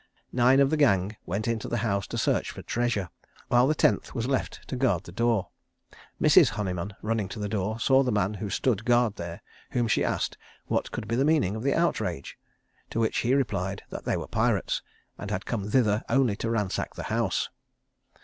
Nine of the gang went into the house to search for treasure, while the tenth was left to guard the door. Mrs. Honeyman, running to the door, saw the man who stood guard there, whom she asked what could be the meaning of the outrage; to which he replied, that they were pirates, and had come thither only to ransack the house.